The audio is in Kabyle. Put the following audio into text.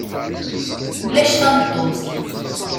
Ulac tameṭṭut.